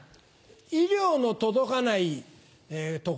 医療の届かない所。